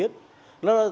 áp dụng trong lớp